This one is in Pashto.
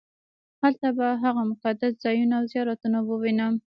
هلته به هغه مقدس ځایونه او زیارتونه ووېنم.